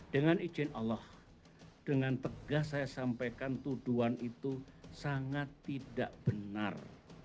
dengan izin allah dengan tegas saya sampaikan tuduhan itu sangat tidak benar